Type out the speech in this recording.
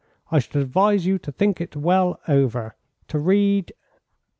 I should advise you to think it well over, to read